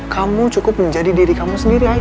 kamu cukup menjadi diri kamu sendiri aja